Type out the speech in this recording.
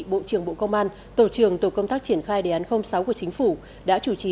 bộ trưởng bộ công an tổ trường tổ công tác triển khai đề án sáu của chính phủ đã chủ trì